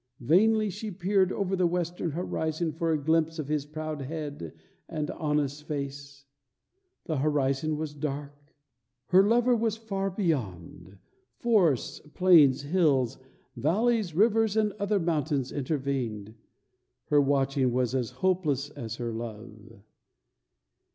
Vainly she peered over the western horizon for a glimpse of his proud head and honest face. The horizon was dark. Her lover was far beyond, forests, plains, hills, valleys, rivers, and other mountains intervened. Her watching was as hopeless as her love.